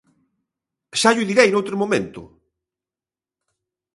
¡Xa llo direi noutro momento!